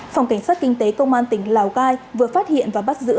phòng cảnh sát kinh tế công an tỉnh lào cai vừa phát hiện và bắt giữ